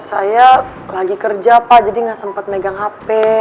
saya lagi kerja pak jadi gak sempat megang hp